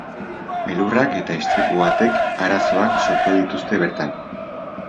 Elurrak eta istripu batek arazoak sortu dituzte bertan.